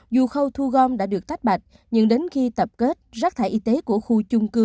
dù khâu thu gom đã được tách bạch nhưng đến khi tập kết rác thải y tế của khu chung cư